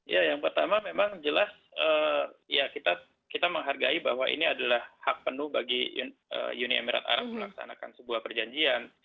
ya yang pertama memang jelas ya kita menghargai bahwa ini adalah hak penuh bagi uni emirat arab melaksanakan sebuah perjanjian